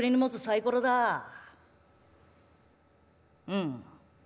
うん。